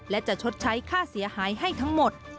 และจะชดใช้ค่าเสียหายให้ทั้งหมด